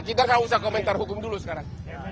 kita gak usah komentar hukum dulu sekarang